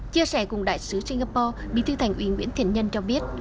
chia sẻ cùng đại sứ singapore bí thư thành ủy nguyễn thiện nhân cho biết